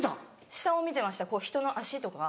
下を見てました人の足とか。